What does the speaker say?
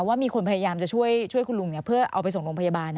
ว่ามีคนพยายามจะช่วยคุณลุงเพื่อเอาไปส่งโรงพยาบาล